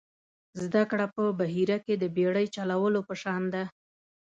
زده کړه په بحیره کې د بېړۍ چلولو په شان ده.